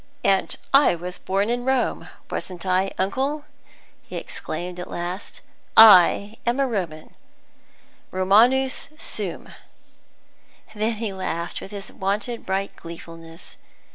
"And I was born in Rome, wasn't I, uncle?" he exclaimed at last. "I am a Roman; Romanus sum!" Then he laughed with his wonted bright gleefulness.